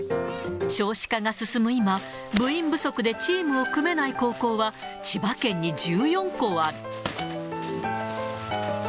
少子化が進む今、部員不足でチームを組めない高校は千葉県に１４校ある。